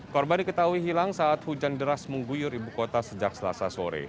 korban diketahui hilang saat hujan deras mengguyur ibu kota sejak selasa sore